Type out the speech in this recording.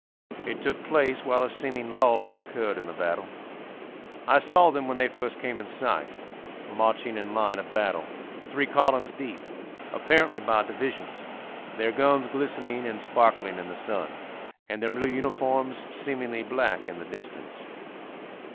It took place while a seeming lull had occurred in the battle. I saw them when they first came in sight, marching in line of battle, three columns deep, apparently by divisions, their guns glistening and sparkling in the sun, and their blue uniforms seemingly black in the distance.